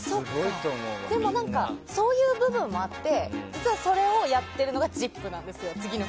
でも、そういう部分もあって実は、それをやっているのが「ＺＩＰ！」なんですよ。